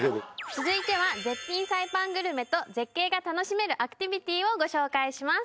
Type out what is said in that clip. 続いては絶品サイパングルメと絶景が楽しめるアクティビティをご紹介します